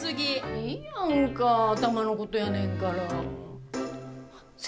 いいやんかたまのことやねんから。